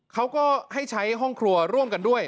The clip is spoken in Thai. เขาก็ให้ใช้ห้องครัวร่วมกันด้วย